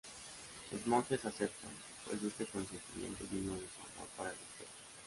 Los Monjes aceptan, pues este consentimiento vino de su amor para el Doctor.